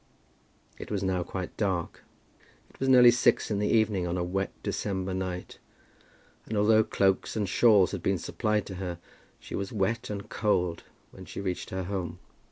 It was now quite dark. It was nearly six in the evening on a wet December night, and although cloaks and shawls had been supplied to her, she was wet and cold when she reached her home.